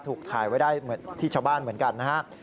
ถูกถ่ายไว้ได้เหมือนที่ชาวบ้านเหมือนกันนะครับ